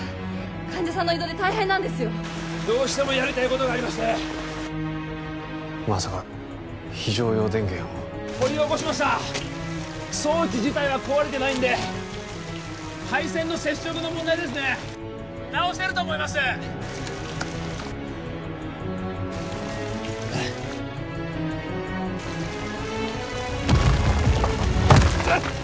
患者さんの移動で大変なんですよどうしてもやりたいことがありましてまさか非常用電源を掘り起こしました装置自体は壊れてないんで配線の接触の問題ですね直せると思いますうっ！